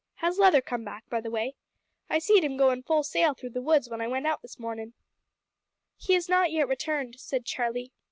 Has Leather come back, by the way? I see'd him goin' full sail through the woods when I went out this mornin'." "He has not yet returned," said Charlie.